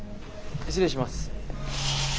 失礼します。